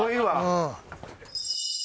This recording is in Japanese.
うん。